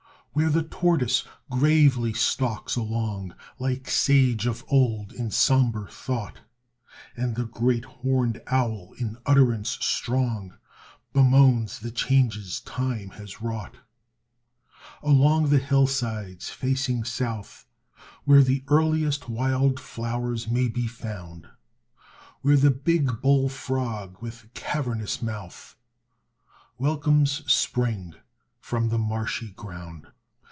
Where the tortoise gravely stalks along Like sage of old in sombre thought, And the great horned owl in utterance strong Bemoans the changes time has wrought. Along the hillsides facing south, Where the earliest wild flowers may be found; Where the big bull frog with cavernous mouth, Welcomes Spring from the marshy ground.